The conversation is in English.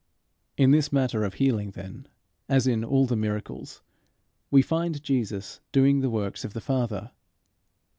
In this matter of healing, then, as in all the miracles, we find Jesus doing the works of the Father.